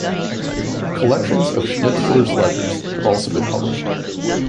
Collections of Schnitzler's letters have also been published.